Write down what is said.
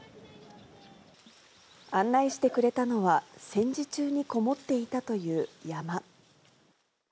案内してくれたのは、戦時中に籠もっていたという山。